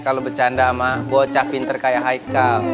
kalau bercanda sama bocah pinter kayak haikal